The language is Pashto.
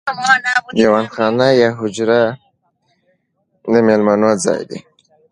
دیوان خانه یا حجره د میلمنو ځای دی.